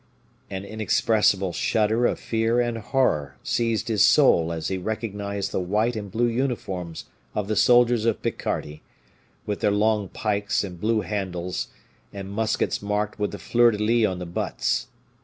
An inexpressible shudder of fear and horror seized his soul as he recognized the white and blue uniforms of the soldiers of Picardy, with their long pikes and blue handles, and muskets marked with the fleur de lis on the butts.